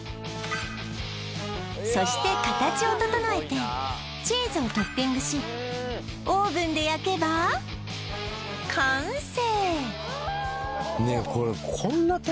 そして形を整えてチーズをトッピングしオーブンで焼けば完成！